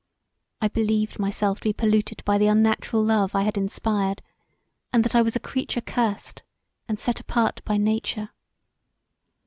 I believed myself to be polluted by the unnatural love I had inspired, and that I was a creature cursed and set apart by nature.